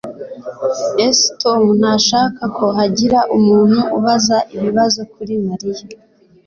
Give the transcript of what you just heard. S Tom ntashaka ko hagira umuntu ubaza ibibazo kuri Mariya